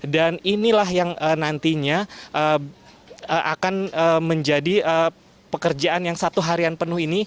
dan inilah yang nantinya akan menjadi pekerjaan yang satu harian penuh ini